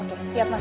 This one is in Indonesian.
oke siap mak